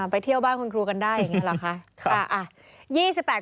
ไปเที่ยวบ้านคุณครูกันได้อย่างนี้หรอคะ